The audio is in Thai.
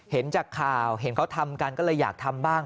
เห็นจากข่าวเห็นเขาทำกันก็เลยอยากทำบ้าง